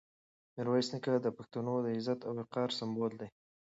میرویس نیکه د پښتنو د عزت او وقار سمبول دی.